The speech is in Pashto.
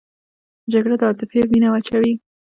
جګړه د عاطفې وینه وچوي